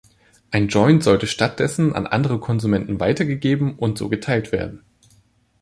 Ein Joint sollte stattdessen an andere Konsumenten weitergegeben und so geteilt werden.